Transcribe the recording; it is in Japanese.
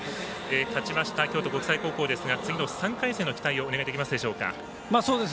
勝ちました京都国際高校ですが次の３回戦の期待をお願いできますでしょうか。